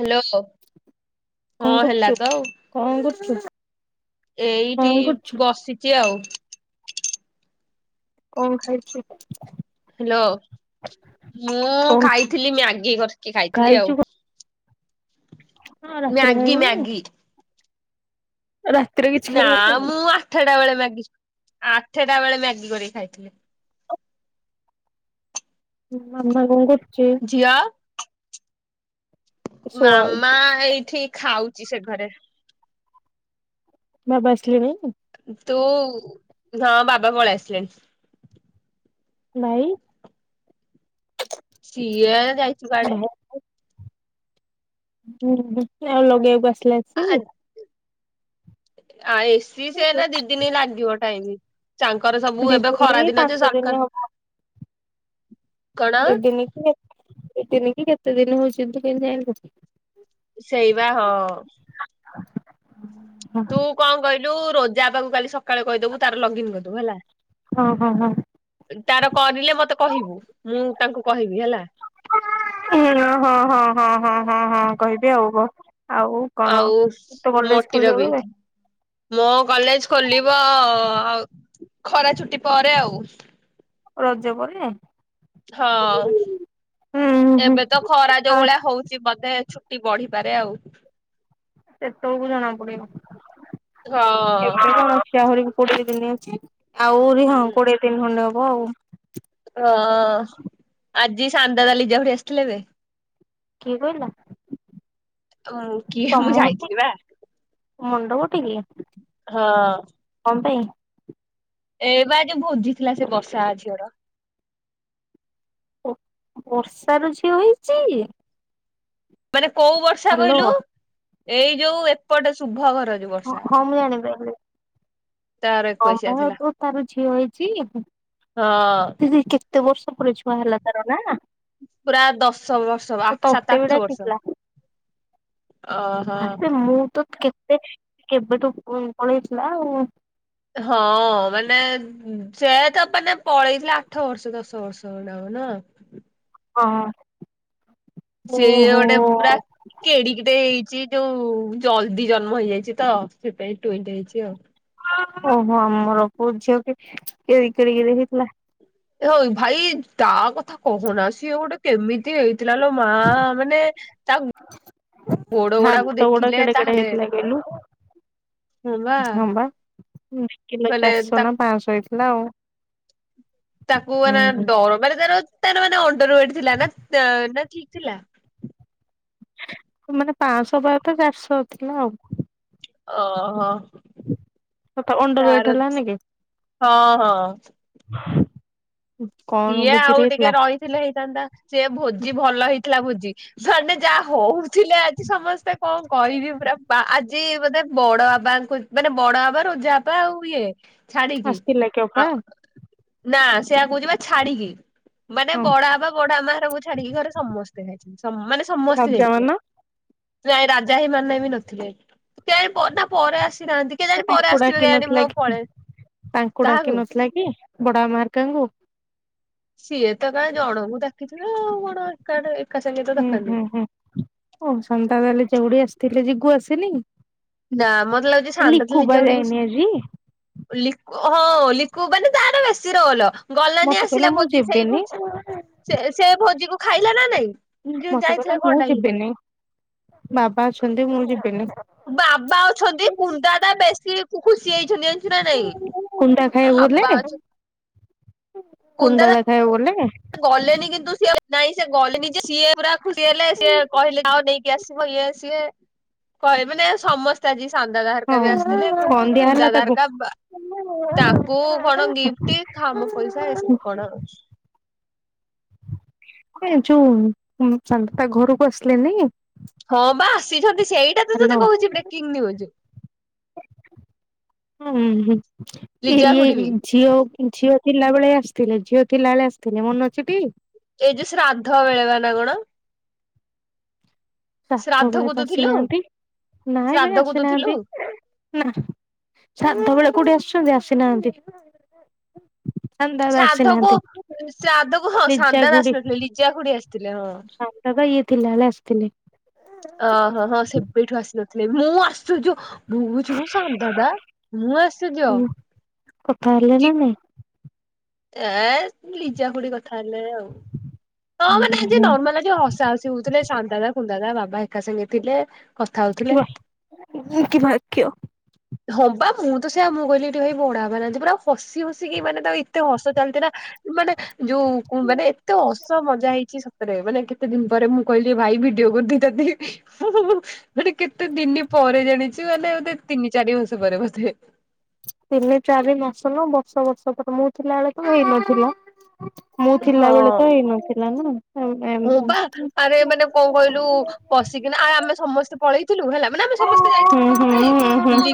Hello କଣ ହଁ ହେଲା କରୁଛୁ ତ ଆଉ କଣ କରୁଛୁ ଏଇଠି କଣ କରୁଛୁ ବସିଛି ଆଉ କଣ ଖାଇଛି ହ୍ୟାଲୋ ମୁଁ କଣ ଖାଇଥିଲି ମୁ ଆଗେଇ କରିକି ଖାଇଥିଲି ଖାଇଛୁ ଆଉ କଣ ରାତିରେ ମ୍ୟାଗି ଖାଇବୁନି? ମ୍ୟାଗି ରାତିରେ କିଛି ନା ଖାଇବୁନି। ମୁଁ ଆଠଟା ବେଳେ ମାଗିଛି ଆଠଟା ବେଳେ ମ୍ୟାଗି କରିକି ଖାଇଥିଲେ ହଁ ଜିଆ? ମାମା ଶୁଆଉଛି। ଏଇଠି ଖାଉ ସେ ଘରେ ବାବା ଆସିଲେଣି? ତୁ ମା ବାବା ପଳେଇ ଆସିଲେ। ଭାଇ ସିଏ। ଯାଇଛୁ ଗାଡେ ହୁଁ ଆଉ ଲଗେଇ କି ଆସ ଆଉ ଏସିି ସେ ନା ଦି ଦିନ ହିଁ ଲାଗିବ। କାଇଁକି ତାଙ୍କର ସବୁ ଦି ଏବେ ଖରା ଦିନ ଦିନଯେ ପାଞ୍ଚ ଦିନ ସଙ୍କ ହବ କଣ? ଦି ଦିନ କି ଦି ଦିନ କି କେତେ ଦିନ ହଉଛି ତୁ କେହିତି ଜାଣିଲୁ। ସେଇବା ହଁ ଆ ତୁ କଣ କହିଲୁ? ରୋଜା ବାବାକୁ କାଲି ସକାଳେ କହିଦବୁ ତାର ଲଗିନ କରିଦବୁ ହେଲା। ହଁ ହ ହ ତାର କରିଲେ ମତେ କହିବୁ ମୁଁ ତାଙ୍କୁ କହିବି ହେଲା ହଁ ହଁ ହଁ ହ ହ ହ କହିବି ଆଉ କ ଆଉ ମଟିର ଖୋଲିବ ବି କେବେ ମୋ କଲେଜ ଖୋଲିବ ଆଉ। ଖରା ଛୁଟି ପରେ ଆଉ। ରଜ ପରେ। ହଁ ହୁଁ ହୁଁ ଏବେ ତ ଖରା ଯୋଉ ଫାଷ୍ଟ ଭଳିଆ ହଉଛି ବୋଧେ ବଢିପାରେ ଆଉ। ହ ତଳକୁ ଜଣା ପଡିବ କେତେ ହଁ। କଣ ଅଛି ଆହୁରି। ପ ଦିନିଛି। ଆହୁରି ହଁ କୋଡିଏ ଦିନ ଖଣ୍ଡେ। ହଉ। ହଁ ଆଜି ସାନ୍ ଦାଦା ଲିଜା ଖୁଡି ଆସିଥିଲେ ଯେ। କିଏ କହିଲ। ମୁଁ କିଏ ମୁଁ ଯାଇଥିଲି ବା। ମୁଣ୍ଡ ଗୋଟିକି ହଁ ତମ ପାଇଁ? ଏ ବା ଆଜି ଭୋଜି ଥିଲା ସେ ବର୍ଷା ଝିଅର। ବର୍ଷା ର ଝିଅ ହେଇଛି। ମାନେ କୋଉ ବର୍ଷା ହ୍ୟାଲୋ କହିଲୁ। ଏଇ ଯୋଉ ଏପଟେ ଶୁଭ ଘ ହଁ ମୁଁ ଜାଣିପାଇଲି। ତାର ହଁ ଏକୋଇଶିଆ ହଁ ଥିଲା। ତ ତାର ଝିଅ ହେ ଛି [unintelligible] ହଁ। ଦିଦି କେତେ ବର୍ଷ ଉପୁର ଛୁଆ ହେଲା ତାର ନା। ପୁରା ଦଶ ବର୍ଷ ବା ଆଉ ଆ ତତେ ସାତ ଆଠ ବର୍ଷ। ଓହୋ। ସେ ମୁଁ ତ କେ କେବେ ଠୁ କଣ ହେଇଥିଲା ଆଉ ହଁ ମାନେ ସେ ତ ମାନେ ପଳେଇଥିଲା ଆଠ ବର୍ଷ ଦଶ ବର୍ଷ ଭଳିଆ ହବ ନୁହଁ। ହଁ। ସିଏ ଓହୋ ଗୋଟେ ପୁରା କେଡିକଟେ ହେଇ ସେ ଯୋଉ ଜଲଦି ଜନ୍ମ ହେଇଯାଇଛି ତ ସେଥି ପାଇଁ ଟୁଉଁଟେ ହେଇଛି ଆଉ। ଓହୋ ଆମର ପୁଅ ଝିଅ ବି କେଡିକି କେଡିକି ରେ ହେଇଥିଲା। ଓଏ ଭାଇ ତା କଥା କହନା ସିଏ ଗୋଟେ କେମିତି ହେଇ ଥିଲା ଲୋ ମା ମାନେ ତା ଗୋଡ ଗୋଡାକୁ ହାତ ଗୋଡ ଦେଖିଲେ କେଡେ କେଡେ ତାହଲେ ହେଇଥିଲା କହିଲୁ ହେଲା ହଁ ବା କିଲୋ ମାନେ ଚାରିଶହ ନା ତାକୁ ପାଞ୍ଚଶହ ହେଇଥିଲା ଆଉ ତାକୁ ଆ ନା ଡର ମାନେ ତାର ତାର ମାନେ ଅଣ୍ଟର ୱେଟ୍ ଥିଲା ନା ତା ନା ଠିକ ଥିଲା। ମାନେ ପାଆଁଶ ହବା କଥା ଚାରିଶ ଥିଲା ଆଉ। ଓ ହୋ ହୋ। [inaudible] ଅଣ୍ଡର ୱେଟ ତାର ହେଲାନି କି ହଁ ହଁ। କଣ ସିଏ ଆଉ ଭୋଜିରେ ହେଇଥିଲା ଟିକେ ରହିଥିଲେ ହେଇଥାନ୍ତା। ସିଏ ଭୋଜି ଭଲ ହେଇଥିଲା ଭୋଜି ମାନେ ଯାହା ହଉଥିଲେ ଆଜି ସମସ୍ତେ କଣ କହିବି। ପୁରା ବା ଆଜି ବୋଧେ ବଡ ବାବାଙ୍କୁ ମାନେ ବଡ ବାବା ରୋଜା ବାବା ଆଉ ଇଏ ଛାଡିକି ଆସିଥିଲା କି ଅପା। ଆଉ ନା ସେଆ କହୁଚିପା ଛାଡ଼ିକି ମାନେ ହଁ ବଡା ଆବା ବଡା ଆମା ଘରକୁ ଛାଡିକି ଘରେ ସମସ୍ତେ ଖାଇଛନ୍ତି। ମାନେ ସମସ୍ତେ ରାଜା ଯାଇଥିଲେ। ମାନ ନାଇ ରାଜା ଆଇ ମାନା ଆଇ ବି ନଥିଲେ। କେଆଣି ପ ତା ପରେ ଆସି ତାଙ୍କୁ ଡାକି ନଥିଲା କି, ତାଙ୍କୁ ଡାକି କାହାକୁ ନଥିଲା କି? ବଡ ଆମା ହରିକାଙ୍କୁ। ସିଏ ତ କାଇଁ ଜଣଙ୍କୁ ଡାକିିଥିବେ ଆଉ କଣ ଏକା ସାଙ୍ଗେ ତ ହୁଁ ଡାକନ୍ତି। ହୁଁ ହୁଁ ଓ ସନ୍ତାକାଲି ଚିଙ୍ଗୁଡି ଆସି ତିଲି ଯିଗୁ ଆସିନି। ନା ମତେ ଲାଗୁଛି ଶାନ୍ତ ଲିକୁ ବା ନିଜ ଆଡ ବସି, ଯାଇନି ଆଜି ଲିଖୁ ହଉ ଲିକୁ ମାନେ ତାର ବେସି ରୋଲ ଗଲାନି ମତେ କହିଲା ଆସିଲା ମୁଁ ଭୋଜି ସେଇ ଯିବିନି ସେ ସେ ଭୋଜି କୁ ଖାଇଲା ନା ନାଇଁ ଯଉ ମତେ କହିଲା ଯାଇଥିଲା ମୁଁ କଣ ପାଇଁ ଯିବିନି ବାବା ଅଛନ୍ତି ମୁଁ ଯିବିନି ବାବା ଅଛନ୍ତି ପୁଣ୍ଡା ଟା ବେଶୀ ସିଏ ଖୁସି ହେଇଛନ୍ତି ନା ନାଇଁ କୁନ୍ଦା ହାଁ ବାବା ଅଛନ୍ତି କୁନ୍ କୁନ୍ଦା ଦା ଦାଦା ଖାଇଆକୁ ଗଲେ। ଗଲେନି କିନ୍ତୁ ସିଏ ନାଇଁ ସେ ଗଲେ ସିଏ ପୁରା ଖୁସି ହେଲେ ସିଏ କହିଲେ ଆଉ ନେଇକି ଆସିବ ଇଏ ସିଏ କହିବେ ମାନ ସମସ୍ତେ ଆଜି ସାନ ଦାଦା ହଁ ଅରିକା ବି ଆସିଥିଲେ, କଣ ଦିଆ କୁନ୍ ହେଲା ଦାଦା ତାକୁ? ଆରିକ ତାଙ୍କୁ କଣ ଗିଫ୍ଟ ଖ୍ୟାମ ପଇସା ଏଇସବୁ କଣ ଯୋଉନ୍ ସନଦାଦା ତା ଘରକୁ ଆସିଲେନି ହଁ ବା ଆସିଛନ୍ତି ସେଇଟା ତ ହ୍ୟାଲୋ। ତତେ କହୁଛି ବ୍ରେକିଂ ନ୍ୟିଉଜ୍। ହୁଁ ହଁ ହୁଁ, ଏ ଇ ଝିଅ ଝିଅ ଥିଲା ବେଳେ ଆସିଥିଲେ ଝିଅ ଥିଲା ବେଳେ ଆସିଥିଲେ ମନେ ଅଛି ଟି ଏଇ ଯୋଉ ଶ୍ରାଦ୍ଧ ବେଳେ ବା ନା କଣ? ଶ୍ରାଦ୍ଧ ବଳେ କୁ ତ ତୁ ଥିଲୁ ଆସିନାହାନ୍ତି ନାଇଁ ବେ ଶ୍ରାଦ୍ଧ କୁ ତୁ ଥିଲୁ ଆସିନାହାନ୍ତି ନା ଶ୍ରାଦ୍ଧବେଳେ କୋଉଠି ଆସିୁଛନ୍ତି ଆସିନାହାନ୍ତି ଶାନ୍ତି ଦାଦା ଶ୍ରାଦ୍ଧ କୁ ଆସିନାହାନ୍ତି ଶ୍ରାଦ୍ଧକୁ ହଁ ସାନ ଦାଦା ଆସି ନଥିଲେ ଲିଜା ଖୁଡି ଆସିଥିଲେ। ହଁ ଶ୍ରାଦ୍ଧ ତ ଇଏ ଥିଲା ବେଳେ ଆସିଥିଲେ ଅହଁ ହଁ ସେବେଠୁ ଆସି ନଥିଲେ, ମୁଁ ଆଶ୍ଚର୍ଯ୍ୟ ମୁ କହୁଚି କଣ ସାନଦାଦ, ମୁଁ କଥା ହେଲେ ନା ଆଶ୍ଚର୍ଯ୍ୟ ନାଇଁ? ଏ ଲିଜା ଖୁଡି କଥା ତାହଲେ ଆଉ ହଁ ମାନେ ଆଜି ହୁଁ ନର୍ମାଲ ଆଜି ହସା ହସି ହଉଥିଲେ ସାନ ଦାଦା ଦାଦା, ବାବା ଏକା ସାଙ୍ଗେ ଥିଲେ କଥା ହଉଥିଲେ। କି ଭ କ ହଁବା ମୁଁ ତ ସେଆ ମୁଁ କହିଲି ଏଠି ଭାଇ ବଢା ହବ ନାହାନ୍ତି ପୁରାଉ ହସି ହସିକି ମାନେ ତ ଏତେ ହସ ଚାଲିଛି ନା ମାନେ ଯୋଉ କୁହ ମ ଏତେ ମଜା ହେଇଛି ସତରେ ମାନେ କେତେ ଦିନ ପରେ ମୁଁ କହିଲି ଭାଇ ଭିଡିଓ କରିଦ ମାନେ କେତେ ଦିନ ପରେ ଜାଣିଛୁ ମାନେ ତିନି ଚାରି ମାସ ପରେ ବୋଧେ। ତିନି ଚାରି ମାସ ନ ବର୍ଷ ବର୍ଷ ପରେ ମୁଁ ଥିଲା ବଳେ କି ହେଇନଥିଲା। ମୁଁ ଥିଲା ବେଳେ ତ ହେଇନଥିଲା ନା। ହୁଁ ମୁଁ ବା ଆରେ ମାନେ କଣ କହିଲୁ ବସିକିନା ଆ ଆମେ ସମସ୍ତେ ପଳେଇ ଥିଲୁ ହେଲା ମାନେ ଆମେ ସମସ୍ତେ ଯାଇଥିଲୁ ଭୋଜି ହୁଁ ଭାଇ ହୁଁ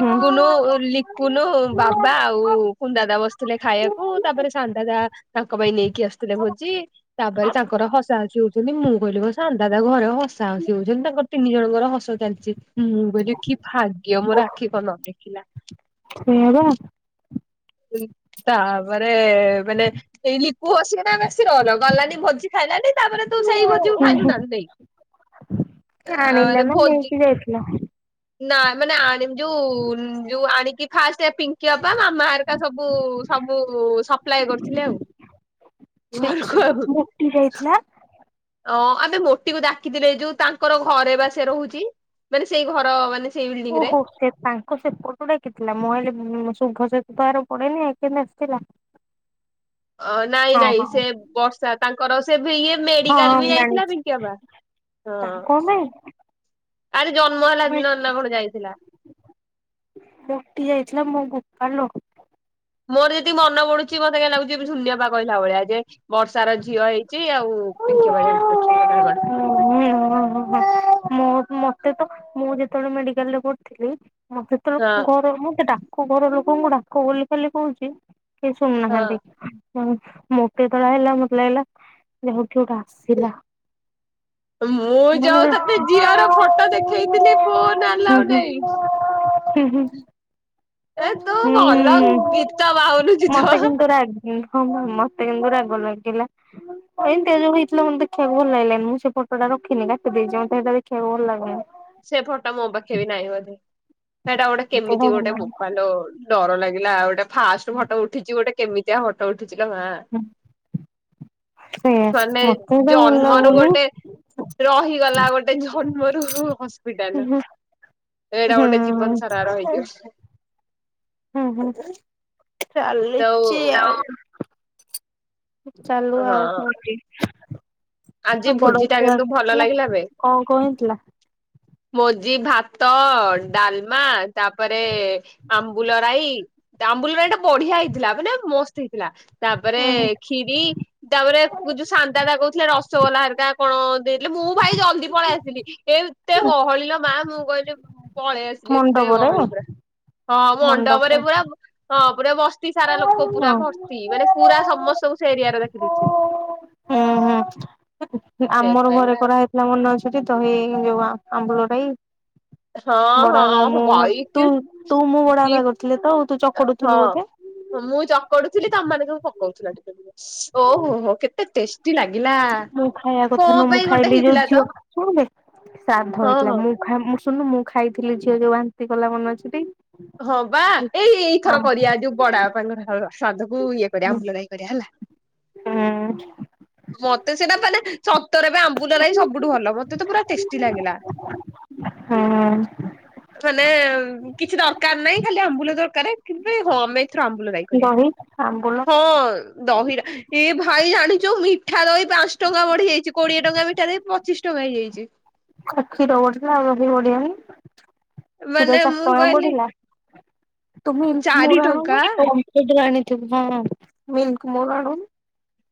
ହୁଁ। ଲିକୁନୁ ବାବା ଆଉ କୁନ୍ଦାଦା ବସିଥିଲେ ଖାଇବାକୁ। ତାପରେ ସାନ୍ଦାଦା ତାଙ୍କ ପାଇଁ ନେଇକି ଆସିଥିଲେ ଭୋଜି। ତାପରେ ତାଙ୍କର ହଉଛନ୍ତି ମୁଁ କହିଲି ସାନ୍ନ୍ଦା ତା ଘରେ ହସା ହସି ହଉଛନ୍ତି। ତାଙ୍କ ତିନି ଜଣଙ୍କର ହସ ଚାଲିଛି। ମୁଁ ବ କି ଭାଗ୍ୟ ମୋ ଆଖି କଣ ନ ଦେ ଥିଲା। ସେ ବା ତାପରେ ମାନେ ଏଇ ଲିପୁ ହସିକ ନା ବେଶୀ ର ଗଲାନି ଭୋଜି ଖାଇଲାନି ତାପରେ ତୁ ସେଇ ଭୋଜିକୁ ଖାଇଲୁ ନା ନାଇଁ [inaudible] ଆରେ ଆଣିଲା ନା ଭୋଜି ନେଇକି ଯାଇଥିଲା। ନା ମାନେ ଆ ଯୋଉ ଯୋଉ ଆଣିକି ଫାର୍ଷ୍ଟ ପିଙ୍କି ବା ମାମା ହେରିକା ସବୁ ସବୁ ସପ୍ଲାଏ କରୁଥିଲେ ଆଉ। ଛି ଛି ଘରକୁ ଆଉ ମୋଟି ଯାଇଥିଲା। ଅ ଆମେ ମୋଟିକୁ ଡକିଥିଲେ ଯୋଉ ତାଙ୍କର ଘରେ ବା ସେ ରହୁଛି। ମାନେ ସେଇ ଘର ମାନେ ସେଇ ବିଲ୍ଡିଂ ରେ ଓହୋ ସେ ତାଙ୍କ ସେ ପଟୁ ଡାକିଥିଲା। ମୁ ଭାବିଲି ଶୁଭ ସହିତ ତାର ପଡେଇନି କେମିତି ଆସିଥିଲା। ଅ ନାଇଁ ହଁ ନାଇଁ ହଁ। ସେ ବର୍ଷା ତାଙ୍କର ସେ ଇଏ ହଁ ହଁ ମେଡିକାଲ ବି ମୁଁ ଯାଇଥିଲା ଜାଣିଛି ପିଙ୍କିଅବା। ହଁ। ତାହା କଣ ପାଇଁ ଆରେ ଜନ୍ମ ହେଲା ମୁଁ ଦିନ ନା କଣ ଯାଇଥିଲା। କାଲୁ ମୋର ଯେତିକି ମନ ପଡୁଛି ମତେ କ ଲାଗୁଛି ସୁନି ଅପା କହିଲା ଭଳିଆ ଯେ ବର୍ଷାର ଝିଅ ହେଇଛି ଯ ଆଉ ପିଙ୍କି ଅପା ଯାଇଛି ଦେଖିବାକୁ ନାକଣ। ମ ତ ମୁଁ ଯେତେବେଳେ ମେଡିକାଲ ରେ ପଢଥିଲି ମୁଁ ସେତେବେଳେ ହଁ ଘର ମୁଁ ସେଟା ଆ ଘର ଲୋକଙ୍କୁ ଡାକ ବୋଲି ଖାଲି କହୁଛି କେ ହଁ ଶୁଣୁନାହାନ୍ତି। ହଁ ମୋତେ ଯେତେବଳେ ହେଲା ମତେ ଲାଗିଲା [inaudible] ଆସିଲା। ମୁଁ ମାନେ ଯୋଉ ହୁଁ ହୁଁ। ତତେ ଝିଅର ଫଟୋ ଦେଖେଇଥିଲି ଫୋନ ହୁଁ ଆଲୋ ନାଇଁ। ହୁଁ ହୁଁ। ଏ ତୁ ଭଲ ଗୀତ [inaudible] ମତେ କିନ୍ତୁ ରାଗ ହଁ ମତେ କିନ୍ତୁ ରାଗ ଲାଗିଲା ଏମିତି ଯୋଗୁ ହେଇଥିଲା ମତେ ଦେଖିବାକୁ ଭଲ ଲାଗିଲାନି ମୁଁ ସେ ଫଟୋଟା ରଖିନି କାଟି ଦେଇେଇଛି ମତେ ସେଟା ଦେଖିବାକୁ ଭଲ ଲାଗୁି ସେ ଫଟୋ ମୋ ପାଖେ ବି ନାହିଁ ବୋଧେ ସେଟା ଗୋଟେ ମତେ କେମିତି ଭଲ ଗୋଟେ ଲାଗୁନି ବପାଲ ଡର ଲାଗିଲା ଆଉ ଗୋଟେ ଫାଷ୍ଟ ଫଟ ଉଠିଛି ଗୋଟେ କେମିତିଆ ଫୋଟ ଉଠି [inaudible] ସେଇଆ ମାନେ ମତେ ଏଟା ଭଲ ଜନ୍ମରୁ ଲାଗୁନି। ଗୋଟେ ରହିଗଲା ଗୋଟେ ଜନ୍ମରୁ ହୁଁ ହସ୍ପିଟାଲ ଏଇଟା ଗୋଟେ ଜୀବନସାରା ରହିକି ଅଛି ହୁଁ ହୁଁ ଯୋଉ ଚାଲିଛି ଆଉ [inaudible] ଚାଲୁ ହଁ। ଆଉ କଣ ଆଜି ଆଉ ବଡ ଭୋଜି ଟା ଝିଅ କିନ୍ତୁ ଭଲ ଆସିଥିଲା ଲାଗିଲା ବେ କଣ କଣ ହେଇଥିଲା? ମୋ ଜି ଭାତ ଡାଲମା ତାପରେ ସେ ଆମ୍ବୁଲ ରାଇ ତା ଆମ୍ବୁଲ ରାଇ ଟା ବଢିଆ ହେଇଥିଲା ବଲେ ମସ୍ତ ହେଇଥିଲା। ଥିଲା ତାପରେ ଉଁ କ୍ଷୀରି ତାପରେ ଯୋଉ ଶାନ୍ତଳା କହୁଥିଲେ। ଳା ଘରିକା କଣ ଦେଇଥିଲେ ମୁଁ ଭାଇ ଜଲଦି ପଳେଇ ଆସିଲି ଏ ଏତେ ଗହଳୀ ଲୋ ମା ମୁଁ କହିଲି ପଳେଇ ଆସିଲି ଏତେ ମଣ୍ଡପରେ ଗହଳି ପୁରା ହଁ ମଣ୍ଡପ ମଣ୍ଡପରେ ହଁ। ପୁରା ହଁ ପୁରା ବ ତି ସାରା ଲୋକ ହୁଁ ପୁରା ଭର୍ତ୍ତି ମାନେ ପୁରା ସମସ୍ତଙ୍କୁ ସେ ଏରିଆରେ ଦେଖ ଚିଡୁଛି ଆମର ଘରେ କଡା ହେଇଥିଲା ମନେ ଅଛଟି ତ ହେଇନି ଯମା ଆମ୍ବୁଳ ରାଇ ବଡାବା ହଁ ହଁ ମୁଁ ଭାଇ ତୁ କି ତୁ ମୁଁ କି ବଡାବା କରୁଥିଲେ ତ ତୁ ଚକଡୁଥିଲୁ ବୋଧେ ପଡୁଥିଲି ତମମାନେ ସବୁ ପକଉଥିଲା ଟିକେ ଟ ଓହୋ ହୋ କେତେ ଟେଷ୍ଟି ଲାଗିଲା ମୁଁ ଖାଇବା କଥା କଣ ନୁହଁ ମୁଁ ପାଇଁ ଗୋଟେ ଖାଇଲି ଯୋଉ ହେଇଥିଲା ଝିଅ ତ ଶୁଣିବେ ହଁ ହଁ ଶୁଣୁନୁ ମୁଁ ଖାଇଥିଲି ଝିଅ ଯୋଉ ବାନ୍ତି କଲା ମନ ଅଛି ଟି ହଁ ବା ଏଇ ଏଇଥର ଆମ୍ କରିବା ଯୋଉ ବଡ ବାପାଙ୍କର ଶ୍ରାଦ୍ଧକୁ ଇଏ କରିବା ହୁଁ ଆମ୍ବୁଲରାଇ କରିବା ହେଲା ମତେ ସେଇଟା ମାନେ ସତରେ ବା ଆମ୍ବୁଲ ରାଇ ସବୁଠୁ ଭଲ ମତେ ତ ପୁରା ଟେଷ୍ଟି ଲାଗିଲା ହୁଁ ମାନେ କିଛି ଦରକାର ଏଇ ଖାଲି ଆମ୍ବୁଲ ଦରକାରେ କେବେ ହଅ ମେ ଆମ୍ବୁଲ ରାଈ କରିବା ଦହି ଆମ୍ବୁଲ ହଁ ଦହିରା ଏ ଭାଇ ଜାଣିଛୁ ମିଠା ର ବି ପାଞ୍ଚ ଟଙ୍କା ବଢିଯାଇଛି କୋଡିଏ ଟଙ୍କା ମିଠା ପଚିଶ ଟଙ୍କା ହେଇଯାଇଛି। ଆଖି ର ଆଉ ବଆି [inaudible] କ୍ଷୀର ମାନେ ମୁଁ ଚାରିଟଙ୍କା କହିଲି ବଢିଲା ତୁମ ଚାରି ମୋର ଟଙ୍କା ଆଣୁନ ମିନ କୁମୋର ଆଣୁ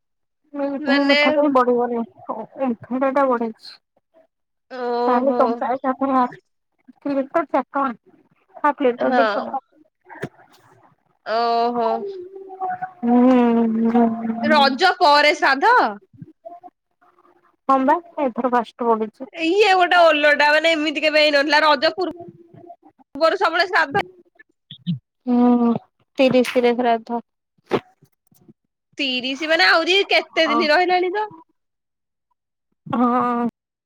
[inaudible] ତ ମାନେ ମିଠା ତ ବଢିବନି ହଁ ଏଠଟା ଟା ବଢେଇଛି ଚାରି ଓହୋ ଟଙ୍କା ଚାରି ଟଙ୍କା ହାପ୍ ପ୍ଲେଟ ଟା ହଁ ଦି ଟଙ୍କା [inaudible] ଓହୋ ହୁଁ ହୁଁଁ ହୁଁ ରଜ ପରେ ସା ତ କବା ଏଥର ଫଷ୍ଟ [inaudible] ଇଏ ଗୋଟେ ଓଲଟା ମାନେ ଏମିତି କେବୋଇନ [inaudible] ରଜ ପୂର୍ବରୁ ସବୁବେଳେ ଶ୍ରାଦ୍ଧ ହୁଁ ତିରିଶ ତାରିଖରେ ରଥ ତିରିଶ ମାନେ ଆହୁରି କେତେ ଦିନ ରହିଲାଣି ତ ହଁ